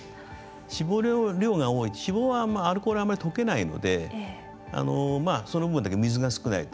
脂肪の量が多いと脂肪はあんまりアルコールが溶けないのでその分だけ水が少ないと。